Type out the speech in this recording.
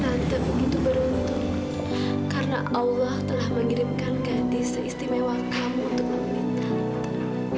tante begitu beruntung karena allah telah mengirimkan gadis seistimewa kamu untuk memimpin tante